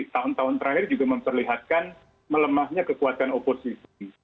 tahun tahun terakhir juga memperlihatkan melemahnya kekuatan oposisi